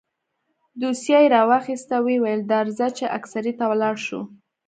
دوسيه يې راواخيسته ويې ويل درځه چې اكسرې ته ولاړ شو.